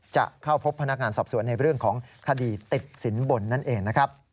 จะเข้าพบพนักงานสอบสวนในเรื่องของคดีติดสินบนนั่นเองนะครับ